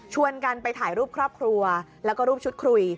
กันไปถ่ายรูปครอบครัวแล้วก็รูปชุดคุย